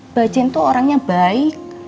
mbak jen itu orangnya baik